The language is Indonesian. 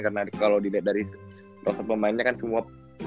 karena kalo diliat dari prosen pemainnya kan semua